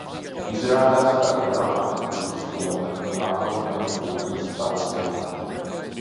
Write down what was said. Izrādās, ka ir agra rīta stunda un atrodamies Gulbenes stacijā.